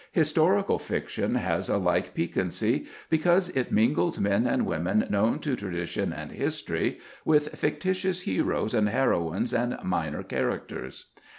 Historical fiction has a like piquancy because it mingles men and women known to tradition and history with fictitious heroes and heroines and minor characters.